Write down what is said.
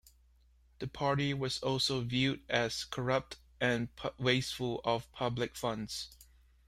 The party was also viewed as corrupt and wasteful of public funds.